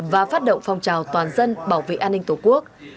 và phát động phong trào toàn dân bảo vệ an ninh tổ quốc